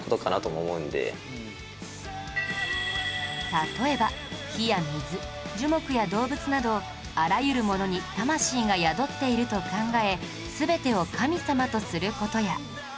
例えば火や水樹木や動物などあらゆるものに魂が宿っていると考え全てを神様とする事や